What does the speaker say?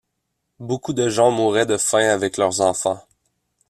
Beaucoup de gens mouraient de faim avec leurs enfants.